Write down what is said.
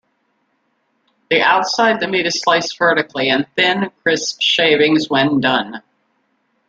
The outside the meat is sliced vertically in thin, crisp shavings when done.